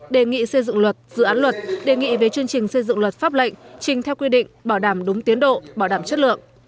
đề nghị xây dựng luật dự án luật đề nghị về chương trình xây dựng luật pháp lệnh trình theo quy định bảo đảm đúng tiến độ bảo đảm chất lượng